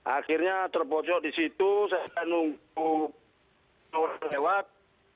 akhirnya terbocor di situ saya nunggu orang lewat